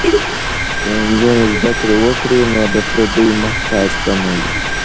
که نجونې زده کړې وکړي نو د پردیو محتاج به نه وي.